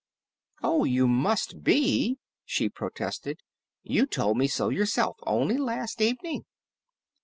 "Oh, you must be!" she protested. "You told me so yourself, only last evening."